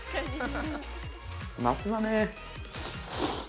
◆夏だね。